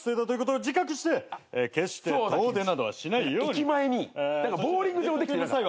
駅前にボウリング場できてなかった？